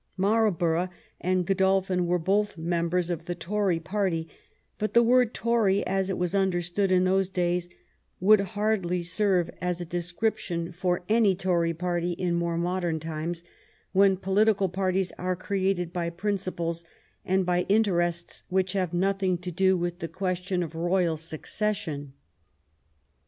Marlborough and Godolphin were both members of the Tory party, but the word Tory, as it was understood in those days, would hardly serve as a description for 56 THOSE AROUND QUEEN ANNE any Tory party in more modern times when political parties are created by principles and by interests which have nothing to do with the question of royal succes sion.